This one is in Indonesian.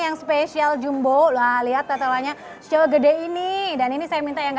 yang spesial jumbo lah lihat tetelannya sejauh gede ini dan ini saya minta yang